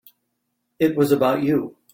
It was about you.